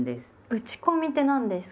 打ち込みって何ですか？